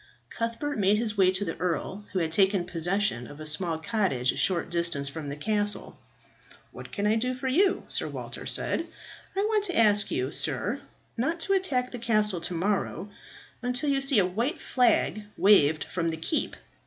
Cuthbert made his way to the earl, who had taken possession of a small cottage a short distance from the castle. "What can I do for you?" Sir Walter said. "I want to ask you, sir, not to attack the castle to morrow until you see a white flag waved from the keep."